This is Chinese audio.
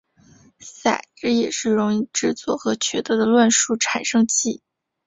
骰子也是容易制作和取得的乱数产生器。